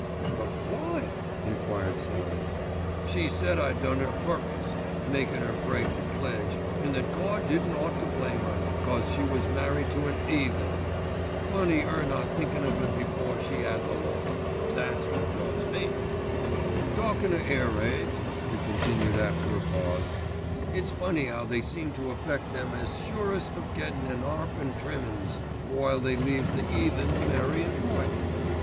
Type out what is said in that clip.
"But why?" enquired Sallie. "She said I done it a purpose, makin' 'er break the pledge, an' that Gawd didn't ought to blame 'er, 'cause she was married to an 'eathen. Funny 'er not thinkin' of it before she'd 'ad the lot, that's wot does me. "Talkin' of air raids," he continued after a pause, "it's funny 'ow they seem to affect them as are surest of gettin' an 'arp an' trimmin's, while they leaves the 'eathen merry and bright.